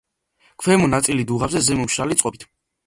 ქვემო ნაწილი დუღაბზე, ზემო მშრალი წყობით.